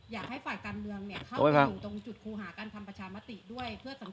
อยากให้ฝ่ายการเมืองเข้าไปอยู่ตรงจุดครูหาการทำประชามติด้วยเพื่อสังคม